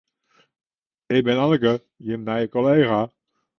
Ik bin Anneke, jim nije kollega.